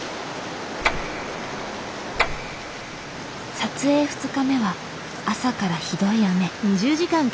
撮影２日目は朝からひどい雨。